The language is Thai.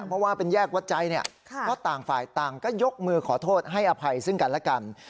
เพราะว่าเป็นแยกวัดใจเนี่ยก็ต่างฝ่ายต่างก็ยกมือขอโทษให้อภัยซึ่งกันและกัน